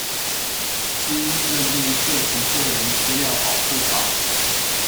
經認定涉及個人資料保護法